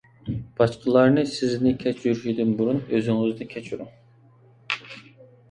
باشقىلارنى سىزنى كەچۈرۈشىدىن بۇرۇن، ئۆزىڭىزنى كەچۈرۈڭ.